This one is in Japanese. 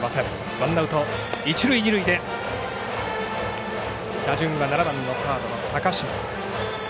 ワンアウト一塁二塁で打順は７番のサードの高嶋。